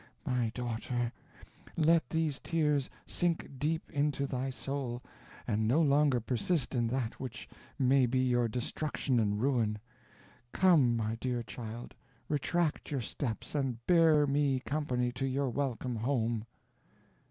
My daughter, let these tears sink deep into thy soul, and no longer persist in that which may be your destruction and ruin. Come, my dear child, retract your steps, and bear me company to your welcome home."